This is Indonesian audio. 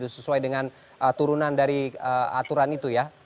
sesuai dengan turunan dari aturan itu ya